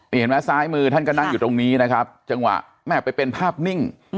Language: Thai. นี่เห็นไหมซ้ายมือท่านก็นั่งอยู่ตรงนี้นะครับจังหวะแม่ไปเป็นภาพนิ่ง